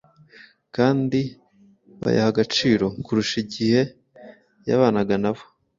kandi bayaha agaciro kurusha igihe yabanaga na bo.